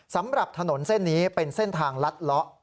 สำหรับถนนเส้นนี้เป็นเส้นทางลัดเลาะ